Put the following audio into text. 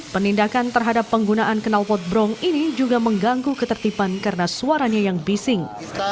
penindakan terhadap penggunaan kenal potbrong ini juga mengganggu ketertiban karena suaranya yang bising